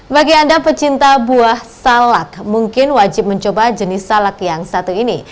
bagi anda pecinta buah salak mungkin wajib mencoba jenis salak yang satu ini